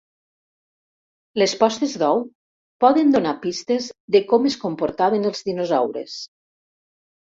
Les postes d’ous poden donar pistes de com es comportaven els dinosaures.